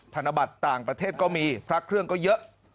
ธนบัตรต่างประเทศก็มีพระเครื่องก็เยอะ